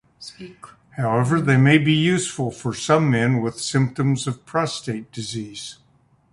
However, they may be useful for some men with symptoms of prostate disease.